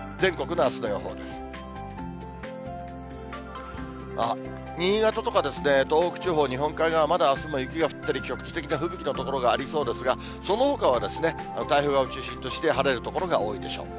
ああ、新潟とか東北地方、日本海側、まだあすも雪が降ったり、局地的な吹雪の所がありそうですが、そのほかは、太平洋側を中心として、晴れる所が多いでしょう。